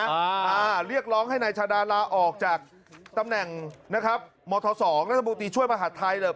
อ่าเรียกร้องให้นายชาดาลาออกจากตำแหน่งนะครับมธสองรัฐมนตรีช่วยมหาดไทยเหรอ